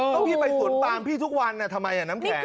ก็พี่ไปศูนย์ปางทุกวันทำไมน้ำแข็ง